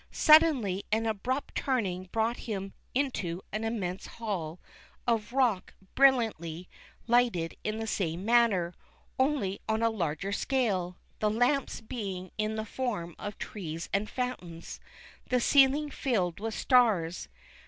Suddenly an abrupt turning brought him into an immense hall of rock brilliantly THE KING CAT. 361 lighted in the same manner, only on a larger scale, the lamps being in the form of trees and fountains, the ceiling filled with stars.